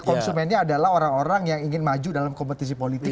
konsumennya adalah orang orang yang ingin maju dalam kompetisi politik